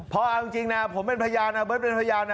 พอเอาจริงนะผมเป็นพยาน